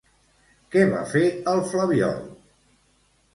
Què va fer el flabiol?